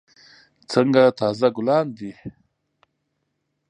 څنګه تازه ګلان دي.